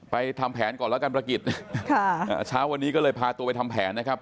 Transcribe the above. ทำแผนก่อนแล้วกันประกิจค่ะอ่าเช้าวันนี้ก็เลยพาตัวไปทำแผนนะครับ